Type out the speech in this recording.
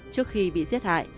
trước khi bị giết hại